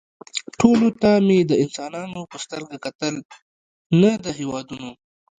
ټولو ته مې د انسانانو په سترګه کتل نه د هېوادونو